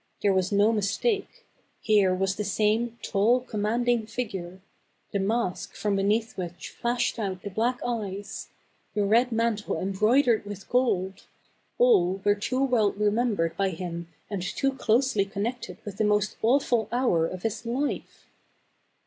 was no mistake ; here was the same tall, com manding figure ; the mask, from beneath which flashed out the black eyes ; the red mantle embroi dered with gold — all were too well remembered by him and too closely connected with the most awful hour of his life.